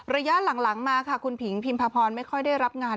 ระยะหลังมาค่ะคุณผิงพิมพพรไม่ค่อยได้รับงาน